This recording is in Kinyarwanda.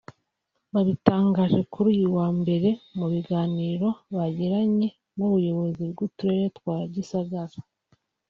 Babitangaje kuri uyu wa mbere mu biganiro bagiranye n’ubuyobozi bw’uturere twa Gisagara